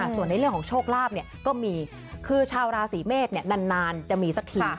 ส่วนในเรื่องของโชคลาภก็มีคือชาวราศีเมษนานจะมีสักที